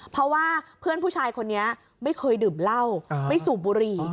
เพราะว่าเพื่อนผู้ชายคนนี้ไม่เคยดื่มเหล้าไม่สูบบุหรี่